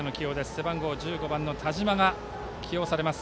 背番号１５の田島が起用されます。